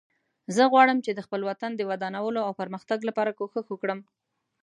زه غواړم چې د خپل وطن د ودانولو او پرمختګ لپاره کوښښ وکړم